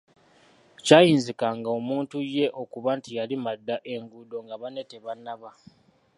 Kyayinzikanga omuntu ye okuba nti yalima dda enguudo nga banne tebannaba.